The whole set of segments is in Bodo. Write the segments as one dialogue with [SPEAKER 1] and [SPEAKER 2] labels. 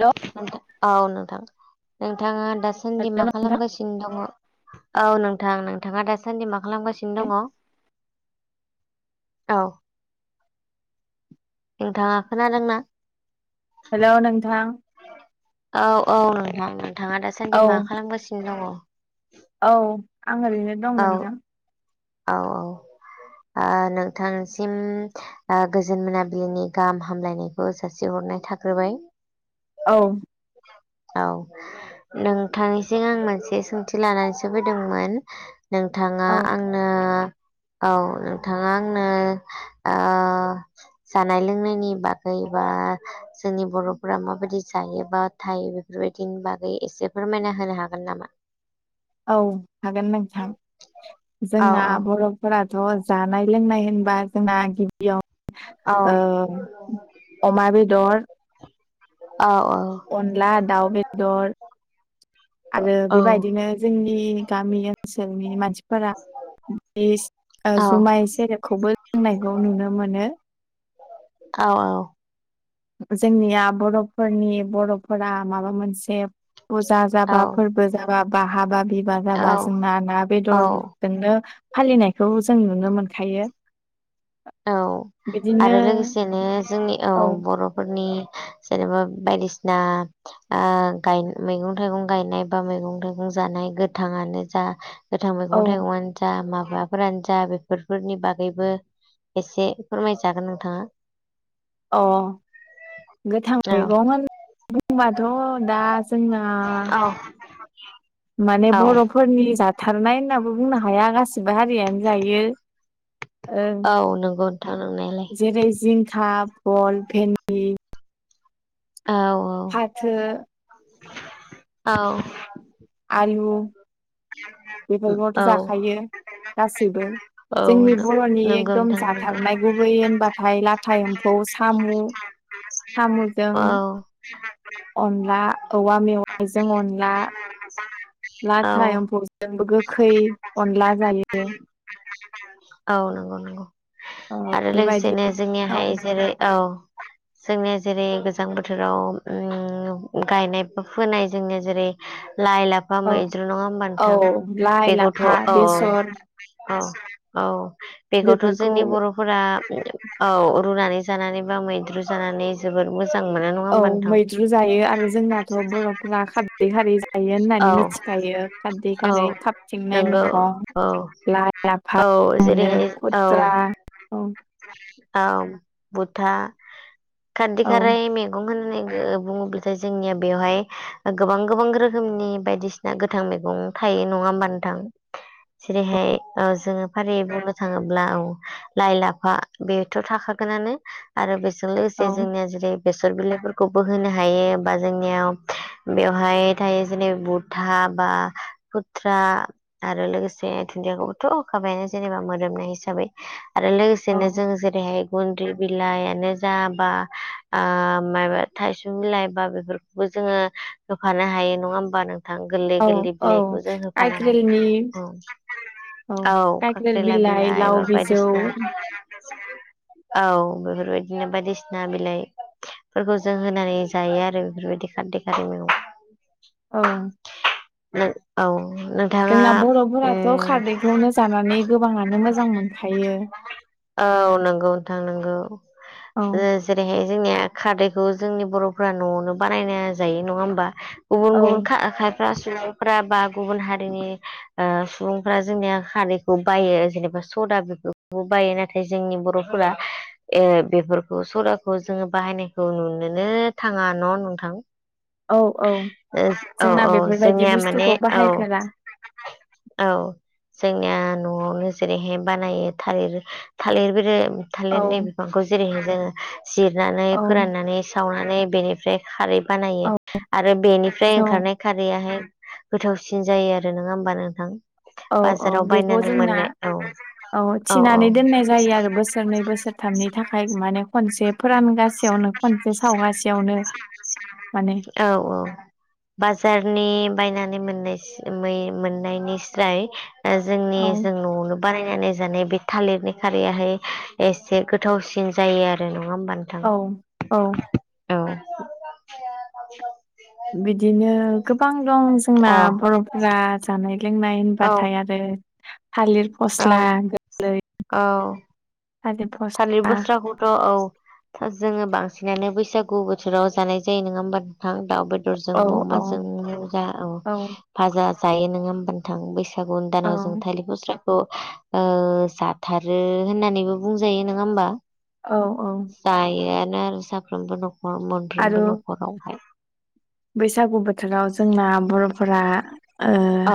[SPEAKER 1] हेलौ
[SPEAKER 2] औ नोंथां नोंथाङा दासान्दि
[SPEAKER 1] हेलौ
[SPEAKER 2] मा
[SPEAKER 1] नोंथां
[SPEAKER 2] खालामगासिनो दङ औ नोंथां नोंथाङा दा दासान्दि मा खालामगासिनो दङ औ नोंथाङा खोनादोंना
[SPEAKER 1] हेल' नोंथां
[SPEAKER 2] औ औ नोंथां नोंथां नोंथाङा
[SPEAKER 1] औ
[SPEAKER 2] दासान्दि मा खालामगासिनो दङ
[SPEAKER 1] औ आं ओरैनो दं नोंथां
[SPEAKER 2] औ औ ओ नोंथांनिसिम ओ गोजोन मोनाबिलिनि गाहाम हामलायनायखौ जासिहरनाय थाग्रोबाय
[SPEAKER 1] औ
[SPEAKER 2] औ नोंथांनिसिम आं मोनसे सोंथि लानानैसो फैदोंमोन नोंथाङा
[SPEAKER 1] औ
[SPEAKER 2] आं आंनो औ नोंथाङा आंनो ओ जानाय लोंनायनि बागै बा जोंनि बर'फोरा माबायदि जायो बा थायो बेफोरबायदिनि बागै एसे फोरमायना होनो हागोन नामा?
[SPEAKER 1] औ हागोन नोंथां
[SPEAKER 2] औ
[SPEAKER 1] जोंना
[SPEAKER 2] औ
[SPEAKER 1] बर' फोरथ' जानाय लोंनाय होनबा जोंना गि
[SPEAKER 2] औ
[SPEAKER 1] बियाव ओ अमा बेदर
[SPEAKER 2] औ औ
[SPEAKER 1] अनला दाउ बेदर आरो
[SPEAKER 2] औ
[SPEAKER 1] बेबायदिनो जोंनि गामि ओनसोलनि मानसिफोरा बे ओ
[SPEAKER 2] औ
[SPEAKER 1] जुमाय सेरेबखौबो जोंनायखौ नुनो मोनो
[SPEAKER 2] औ औ
[SPEAKER 1] जोंनिया बर'फोरनि बर'फोरा माबा मोनसे पुजा जाबा
[SPEAKER 2] औ
[SPEAKER 1] फोरबो जाबा बा हाबा बिबा जाबा जोंना ना
[SPEAKER 2] औ
[SPEAKER 1] बेदर
[SPEAKER 2] औ
[SPEAKER 1] जोंनो फालिनायखौ जों नुनो मोनखायो
[SPEAKER 2] औ
[SPEAKER 1] बिदिनो
[SPEAKER 2] आरो लोगोसेनो जोंनि औ बर' फोरनि जेनेबा बायदिसिना ओ गाय मैगं थाइगं गायनाय बा मैगं थाइगं जानाय गोथाङानो जा गोथां
[SPEAKER 1] औ
[SPEAKER 2] मैगं थाइगंआानो जा माबाफोरानो जा बेफोरफोरनि बागैबो एसे फोरमायजागोन नोंथाङा
[SPEAKER 1] अ गोथां मैगं होननानै बुंबाथ' दा जोंना
[SPEAKER 2] औ [inaudible]
[SPEAKER 1] माने
[SPEAKER 2] औ
[SPEAKER 1] बर'फोरनि जाथारनाय होननाबो बुंनो हाया गासिबो हारियानो जायो। ओ
[SPEAKER 2] औ नंगौ नोंथां नंनायालाय
[SPEAKER 1] जेरै जिंखा बल भेन्दि
[SPEAKER 2] औ
[SPEAKER 1] फाथो
[SPEAKER 2] औ
[SPEAKER 1] आलु बेफोरखौथ'
[SPEAKER 2] औ
[SPEAKER 1] जाखायो गासैबो
[SPEAKER 2] औ
[SPEAKER 1] जोंनि बर'नि
[SPEAKER 2] नंगौ
[SPEAKER 1] एकदम
[SPEAKER 2] नोंथां नंगौ
[SPEAKER 1] जाथारनाय गुबै होनबाथाय लाथा एम्फौ सामु
[SPEAKER 2] औ [inaudible]
[SPEAKER 1] अनला औवा मेवाइजों अनला
[SPEAKER 2] औ
[SPEAKER 1] लाथा एम्फौ जोंबो गोखै अनला जायो।
[SPEAKER 2] औ नंगौ नंगौ आरो
[SPEAKER 1] बेबायदि
[SPEAKER 2] लोगोसेनो
[SPEAKER 1] औ
[SPEAKER 2] जोंनिहाय जेरै औ
[SPEAKER 1] [inaudible]
[SPEAKER 2] जोंनिया जेरै गोजां बोथोराव उम गायनाय बा फोनाय जोंनिया जेरै लाइ ला- फा
[SPEAKER 1] औ
[SPEAKER 2] मैद्रु नङा होमबा
[SPEAKER 1] औ
[SPEAKER 2] नोंथां
[SPEAKER 1] लाइ
[SPEAKER 2] बेखौथ'
[SPEAKER 1] लाफा
[SPEAKER 2] औ
[SPEAKER 1] बेसर
[SPEAKER 2] औ औ बेखौथ'
[SPEAKER 1] बेफोरखौ
[SPEAKER 2] जोंनि बर' फोरा औ रुनानै जानानै बा मैद्रु जानानै जोबोद मोजां मोना नङा
[SPEAKER 1] औ
[SPEAKER 2] होमबा नोंथां
[SPEAKER 1] लाखाद खारदै खारै जायो होननानै
[SPEAKER 2] औ
[SPEAKER 1] मिथिखायो खारदै
[SPEAKER 2] औ
[SPEAKER 1] खारै खाबथिंनाय
[SPEAKER 2] नंगौ
[SPEAKER 1] मैगं
[SPEAKER 2] औ
[SPEAKER 1] लाइ ला फा
[SPEAKER 2] औ
[SPEAKER 1] मोनो
[SPEAKER 2] जेरैहाय औ
[SPEAKER 1] खुद्रा औ
[SPEAKER 2] औ बथा खारदि
[SPEAKER 1] औ
[SPEAKER 2] खारै मे गं होननानै ओ बुङोब्लाथाय जोंनिया बेवहाय गोबां गोबां रोखोमनि बायदिस ना गोथां मैगं थायो नङा होमबा नोंथां।
[SPEAKER 1] [inaudible]
[SPEAKER 2] जेरैहाय औ जोङो फारियै बुंनो थाङोब्ला औ लाइ ला फा बेथ' थाखागोनानो आरो बेजों लोगोसे
[SPEAKER 1] औ
[SPEAKER 2] जोंनिया जेरै बेसर बिलाइफोरखौबो होनो हायो बा जोंनियाव बेवहाय थायो जेने बुद था बा खुथ्रा आरो लोगोसे दुन्दियाखौबोथ' होखाबायानो जेनबा मोदोमनाय हिसाबै आरो लोगोस सेनो
[SPEAKER 1] औ
[SPEAKER 2] जों जेरैहाय गुन्द्रि बिलायानो जा बा मायबा थायसु बिलाइ बा बेफोर बो जोङो होफानो हायो नङा होमबा नों थां गोरलै
[SPEAKER 1] औ
[SPEAKER 2] गोरलै
[SPEAKER 1] औ
[SPEAKER 2] बिलाइखौ जों होफानोनो हायो
[SPEAKER 1] काइक्रेलनि
[SPEAKER 2] औ औ
[SPEAKER 1] काइक्रेल
[SPEAKER 2] खाख्रिला बिलाइ एबा
[SPEAKER 1] लाव बिजौ
[SPEAKER 2] बायदिसिना औ बेफोरबायदिनो बायदिसिना बिलाइ फोरखौ जों होनानै जायो आरो बेफोरबायदि खारदै खारै मैगं।
[SPEAKER 1] औ
[SPEAKER 2] औ नों
[SPEAKER 1] जोंना बर'फोराथ' खारदैखौनो जानानै गोबाङानो मोजां मोनखायो।
[SPEAKER 2] औ नोंगौ नोंथां नोंगौ।
[SPEAKER 1] औ
[SPEAKER 2] जेरैहाय जोंनिया खारदैखौ जोंनि बर'फ्रा न'आवनो बानायना जायो नङा होमबा? गुबुन
[SPEAKER 1] औ
[SPEAKER 2] गुबुन खा-खायफ्रा सुबुंफ्रा बा गुबुन हारिनि ओ सुबुंफ्रा जोंनिया खारैखौ बायो जेनेबा सदा बेफोरखौबो बायो ना थाय जोंनि बर'फोरा ए बेफोरखौ सदाखौ जोङो बाहायनायखौ नुनोनो थाङा न' नोंथां।
[SPEAKER 1] औ औ।
[SPEAKER 2] ओ औ
[SPEAKER 1] जोंना
[SPEAKER 2] औ
[SPEAKER 1] बेफोरबायदि
[SPEAKER 2] जोंनिया माने
[SPEAKER 1] बुस्थुखौ
[SPEAKER 2] औ
[SPEAKER 1] बाहायफेरा
[SPEAKER 2] औ जोंनिया न'आवनो जेरैहाय बानायो थालिर थालिर ब्रे
[SPEAKER 1] औ
[SPEAKER 2] थालिरनि बिफांखौ जेरैहाय जोङो जिरनानै
[SPEAKER 1] औ
[SPEAKER 2] फोराननानै सावनानै बेनिफ्राय खारै बानायो
[SPEAKER 1] औ
[SPEAKER 2] आरो बेनिफ्राय
[SPEAKER 1] औ
[SPEAKER 2] ओंखारनाय खारैआहाय गोथावसिन जायो आरो। नङा होमबा नोंथां?
[SPEAKER 1] औ औ
[SPEAKER 2] बाजाराव
[SPEAKER 1] बेखौ
[SPEAKER 2] बायनानै
[SPEAKER 1] जोंना
[SPEAKER 2] मोननाय औ।
[SPEAKER 1] औ थिनानै दोननाय जायो आरो बोसोरनै बोसोरथामनि थाखाय माने खनसेप्ट फोरानगासेयावनो खनसे सावगासेयावनो माने
[SPEAKER 2] औ औ बाजारनि बायनानै मोननाय मोननायनिस्राय जोंनि
[SPEAKER 1] औ
[SPEAKER 2] जों न'आवनो बानायनानै जानाय बे थालिरनि खारैयाहाय एसे गोथावसिन जायो आरो नङा होमबा नों
[SPEAKER 1] औ औ
[SPEAKER 2] औ म
[SPEAKER 1] बिदिनो गोबां दं जोंना
[SPEAKER 2] औ
[SPEAKER 1] बर'फोरा जानाय लोंनाय होनबाथाय
[SPEAKER 2] औ
[SPEAKER 1] आरो थालिर फस्ला गोरलै
[SPEAKER 2] औ थालिर बुस्राखौ थ' औ जोङो बांसिनानो बैसागु बोथोराव जानाय जायो नङा होमबा नोंथां दाउ बे बेदरजों
[SPEAKER 1] औ औ
[SPEAKER 2] अमाजोंनो जा औ फाजा जायो नङा हबा नोंथां बैस फागुन
[SPEAKER 1] औ
[SPEAKER 2] दानाव जों थालिर फस्राखौ ओ जाथारो होननानैबो बुंजायो नोङा होमबा?
[SPEAKER 1] औ औ
[SPEAKER 2] जायोआनो आरो साफ्रोमबो न'खर
[SPEAKER 1] आरो
[SPEAKER 2] मोनफ्रोमबो न'खरावहाय
[SPEAKER 1] बैसागु बोथोराव जोंना बर'फोरा ओ
[SPEAKER 2] औ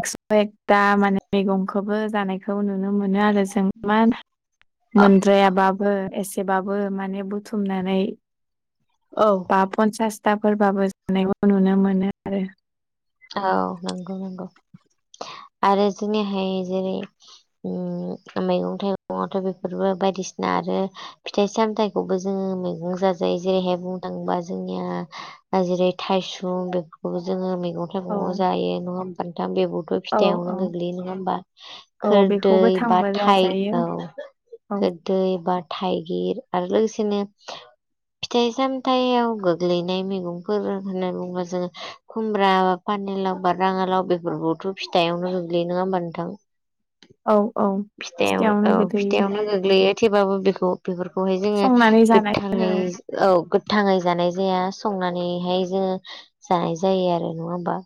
[SPEAKER 1] एकस' एकथा माने मैगंखौबो जानाय नुनो मोनो आरो जों मा मोनद्रायाबाबो एसे एसेबाबो माने बुथुमनानै
[SPEAKER 2] औ
[SPEAKER 1] बा पनसासथाफोरबाबो जानायखौ नुनो मोनो आरो
[SPEAKER 2] औ नंगौ नंगौ आरो जोंनिहाय जेरै उम मैगं थाइगंवाथ' बेफोरबो बायदिसिना आरो फिथाइ सामथाइखौबो जोङो मैगं जाजायो जेरैहाय बुंनो थाङोबा जोंनिया जेरै थायसुम बेफोरखौबो जोङो मैगं नथ
[SPEAKER 1] औ
[SPEAKER 2] गङआव जायो नङा होमबा नोंथां बेब'थ'
[SPEAKER 1] औ औ
[SPEAKER 2] फिथायाइावनो गोग्लैयो नङा होमबा
[SPEAKER 1] औ बेखौबो
[SPEAKER 2] खोरदै बा
[SPEAKER 1] थांबो
[SPEAKER 2] थाइ
[SPEAKER 1] जाजायो
[SPEAKER 2] औ
[SPEAKER 1] औ
[SPEAKER 2] खोर दै बा थाइगिर आरो लोगोसेनो फिथाइ सामथायाव गोग्लैनाय मैगंफोर होननानै बुङोबा जोङो खुमब्रा पानिलाव बा राङालाव बेफोरखौथ' फिथायावनो गोग्लैयो नङा होमबा
[SPEAKER 1] औ
[SPEAKER 2] नोंथां?
[SPEAKER 1] औ
[SPEAKER 2] फिथाइयावनो
[SPEAKER 1] फिथायावनो
[SPEAKER 2] औ
[SPEAKER 1] गोलैयो
[SPEAKER 2] फिथाइआवनो गोग्लैयो। थेबाबो बेखौ बेफोरखौहाय जोङो
[SPEAKER 1] संनानै जानाय आरो
[SPEAKER 2] गोथाङै औ गोथाङै जानाय जाया संनानैहाय जोङो जानाय जायो आरो नङा होमबा?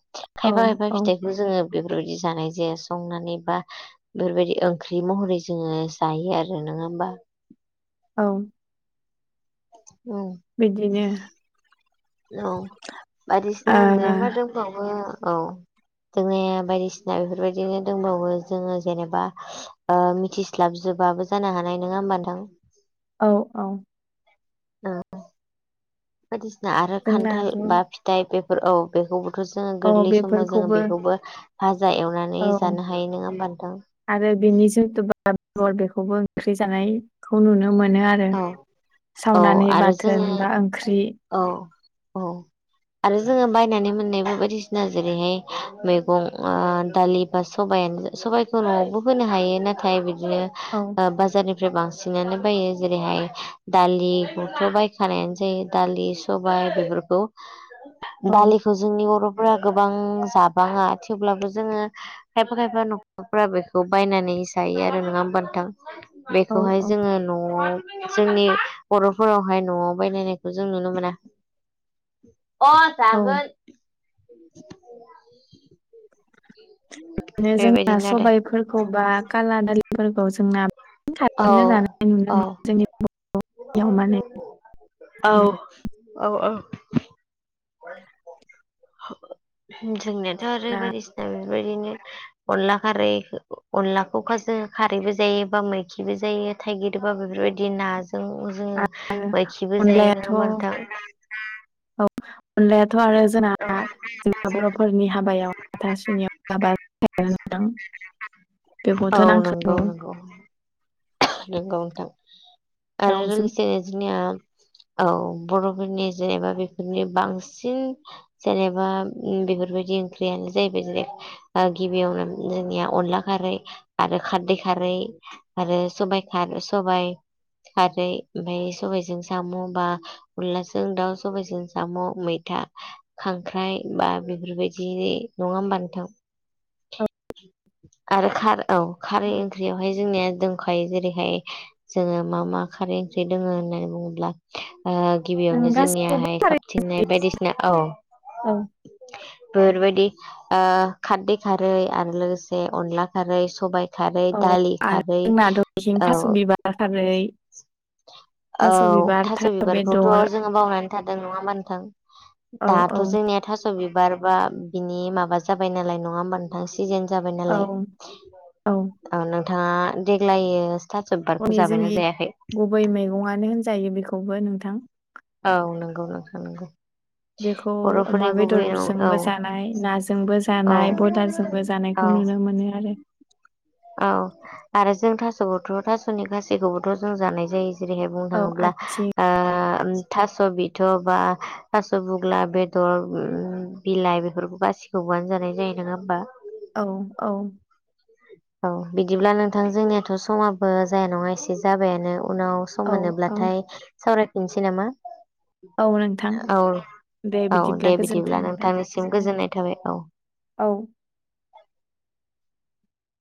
[SPEAKER 1] औ
[SPEAKER 2] खायफा खायफा
[SPEAKER 1] औ
[SPEAKER 2] फिथाइखौ जोङो बेफोरबायदि जानाय जाया संनानै बा बेफोरबायदि ओंख्रि महरै जोङो जायो आरो नोङा होमबा
[SPEAKER 1] औ बिदिनो
[SPEAKER 2] औ बायदिसिना
[SPEAKER 1] ओ
[SPEAKER 2] होनदोंब द [unintelligible] औ जोङो बायदिसिना बेफोरबायदिनो दंबावो जोङो जेनेबा मिथिस्लाबजोबाबो जानो हानाय नङा होमब दां
[SPEAKER 1] औ औ
[SPEAKER 2] ओ बायदिसिना आरो खान्थाल
[SPEAKER 1] जोंनाथ'
[SPEAKER 2] बा फिथाइ बे औ बेखौबोथ' जोङो
[SPEAKER 1] औ
[SPEAKER 2] गोरलै समाव जोङो
[SPEAKER 1] बेफोरखौबो
[SPEAKER 2] बेखौबो भाजा एवनानै नानै
[SPEAKER 1] औ
[SPEAKER 2] जानो हायो नङा होमबा नोथां
[SPEAKER 1] आरो बेनि जिथु बेखौबो ओंख्रि जानायखौ नुनो मोनो आरो
[SPEAKER 2] औ
[SPEAKER 1] आरो
[SPEAKER 2] औ
[SPEAKER 1] सावनानै
[SPEAKER 2] आरो जोङो
[SPEAKER 1] बाथोन बा ओंख्रि
[SPEAKER 2] औ औ आरो जोङो बायनानै मोननायबो बायदिसिना जेरैहाय मैगं दालि सानो सबायखौ न'आवबो होनो हायो नाथाय बिदिनो
[SPEAKER 1] औ
[SPEAKER 2] बाजारनि ओमफ्राय बांसिनानो बायो जेरैहाय दालिखौथ' बायखानायानो जायो दालि सबाय बेफोरखौ
[SPEAKER 1] औ
[SPEAKER 2] दालिखौ जोंनि बर'फोरा गोबां जाबाङा थेवब्लाबो जोङो खायफा खायफा न'खरफ्रा बेखौ बायनानै जायो आरो नङा होमबथां
[SPEAKER 1] औ
[SPEAKER 2] बेखौहाय
[SPEAKER 1] औ
[SPEAKER 2] जोङो न'आव जोंनि बर'फोरावहाय न'आव बायलायनाय जों नुनो मोना अ
[SPEAKER 1] औ
[SPEAKER 2] जागोन
[SPEAKER 1] बिदिनो जोंना
[SPEAKER 2] बेबायदिनो आरो
[SPEAKER 1] सबायफोरखौ बा काला दालिफोरखौ जोंना
[SPEAKER 2] औ
[SPEAKER 1] साजनो जानाय
[SPEAKER 2] औ
[SPEAKER 1] नुनो मोनो जोंनि बर'याव माने
[SPEAKER 2] औ औ औ जोंनियाथ' आरो
[SPEAKER 1] जोंना
[SPEAKER 2] बायदिसिना बेफोरबायदिनो अनला खारै अनलाखौ खाजों खारैबो जायो बा मैखिबो जायो थाइगिरबा बेफोरबायदि नाजों जोङो मायखिबो जायो नङा होमबा नोंथां
[SPEAKER 1] औ अनलायाथ' आरो जोंना जोंहा बर'फोरनि हाबायाव हाथ सुनियावाबा
[SPEAKER 2] औ
[SPEAKER 1] बेखौथ' नांखागौ
[SPEAKER 2] नोंगौ नोंथां आरो
[SPEAKER 1] दाउजों
[SPEAKER 2] लोगोसे जोंनिया औ बर'फोरनि जेनेबा बेफोरनि बांसिन जेनेबा बेफोरबायदि ओंख्रियानो जाहैबाय ज गिबियावनो जोंनिया अनला खारै आरो खारदै खारै आरो सबाइ खा सबाइ खारै ओमफफ्राय सबायजों साम' बा अनलाजों दाउ सबायाइजों साम' मैथा खांख्राइ बा बेफोरबायदि नङा होमबा नोंथां
[SPEAKER 1] औ
[SPEAKER 2] आरो खार औ खारै ओंख्रियावहाय जोंनिया दखायो जेरैहाय जोङो मा मा खारै ओंख्रि दङो होननानै बुङोब्ला
[SPEAKER 1] जों
[SPEAKER 2] गिबियावनो
[SPEAKER 1] गासिखौबो
[SPEAKER 2] जोंनियाहाय
[SPEAKER 1] खारै
[SPEAKER 2] खाबथिंनाय बायदिसिना औ
[SPEAKER 1] औ
[SPEAKER 2] बेफोरबायदि खारदै खारै आरो लोगोसे अनला खारै सबाय खारै
[SPEAKER 1] औ
[SPEAKER 2] दालि खारै
[SPEAKER 1] [unintelligible]
[SPEAKER 2] औ
[SPEAKER 1] थास' बिबार खारै थास'
[SPEAKER 2] औ
[SPEAKER 1] बिबार
[SPEAKER 2] थास'
[SPEAKER 1] बेदर
[SPEAKER 2] बिबारखौथ'
[SPEAKER 1] औ
[SPEAKER 2] जोङो बावनानै थादों नङा होमबा नोंथां
[SPEAKER 1] औ
[SPEAKER 2] दाथ' जोंनिया थास' बिबार बा बिनि माबा जाबाय नालाय नङा होमबा नो नोंथां सिजेन जाबाय
[SPEAKER 1] औ
[SPEAKER 2] नालाय औ नोंथाङा देग्लायो थास' बिबारखौ
[SPEAKER 1] हनि
[SPEAKER 2] जाबायना
[SPEAKER 1] जोंनि
[SPEAKER 2] जायाखै
[SPEAKER 1] गुबै मैगङानो होनजायो बेखौबो नोंथां
[SPEAKER 2] औ नंगौ नोंथां नोंगौ
[SPEAKER 1] बेखौ अमा बेदरजोंबो जानाय नाजोंबो
[SPEAKER 2] औ
[SPEAKER 1] जानाय बयलारजोंबो जानाय
[SPEAKER 2] औ
[SPEAKER 1] नुनो मोनो आरो
[SPEAKER 2] औ आरो जों थास'बोथ' थास'नि गासिखौबोथ' जों जानाय जायो जेरैहाय बुंनो
[SPEAKER 1] औ
[SPEAKER 2] थाङोब्ला
[SPEAKER 1] आथिं
[SPEAKER 2] थास' बिथ' बा थास' बुग्ला बेदर बिलाइ बेफोरखौ गासिखौबोनो जानाय जायो नङा होमबा
[SPEAKER 1] औ औ
[SPEAKER 2] औ बिदिब्ला नोंथां जोंनियाथ' समाबो जाया नङा एसे जाबायानो उनाव सम
[SPEAKER 1] औ औ
[SPEAKER 2] मोनोब्लाथाय सावरायफिनसै नामा
[SPEAKER 1] औ नोंथां
[SPEAKER 2] औ
[SPEAKER 1] दे
[SPEAKER 2] औ
[SPEAKER 1] बिदिब्ला
[SPEAKER 2] दे
[SPEAKER 1] गोजोन्थों
[SPEAKER 2] बिदिब्ला
[SPEAKER 1] नोंथां।
[SPEAKER 2] नोंथांनिसिम
[SPEAKER 1] औ
[SPEAKER 2] गोजोननाय थाबाय औ
[SPEAKER 1] औ